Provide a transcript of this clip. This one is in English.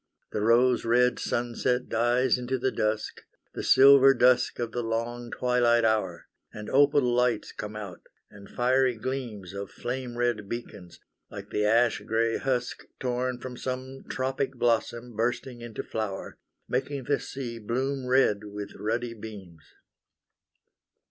The rose red sunset dies into the dusk, The silver dusk of the long twilight hour, And opal lights come out, and fiery gleams Of flame red beacons, like the ash gray husk Torn from some tropic blossom bursting into flower, Making the sea bloom red with ruddy beams.